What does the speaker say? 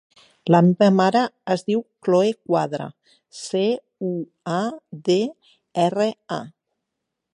La meva mare es diu Khloe Cuadra: ce, u, a, de, erra, a.